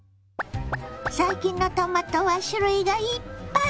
最近のトマトは種類がいっぱい！